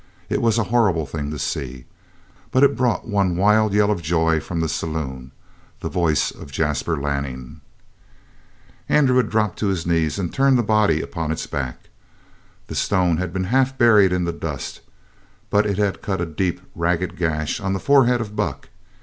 It was a horrible thing to see, but it brought one wild yell of joy from the saloon the voice of Jasper Lanning. Andrew had dropped to his knees and turned the body upon its back. The stone had been half buried in the dust, but it had cut a deep, ragged gash on the forehead of Buck.